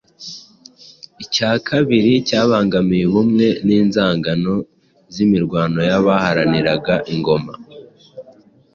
Icya kabiri cyabangamiye ubumwe ni inzangano n'imirwano y'abaharaniraga ingoma.